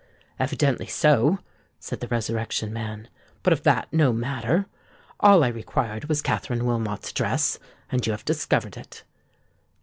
"Evidently so," said the Resurrection Man. "But of that no matter. All I required was Katherine Wilmot's address; and you have discovered it.